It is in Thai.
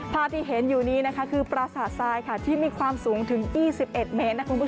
ภาพที่เห็นอยู่นี้คือปราสาททรายที่มีความสูงถึง๒๑เมตร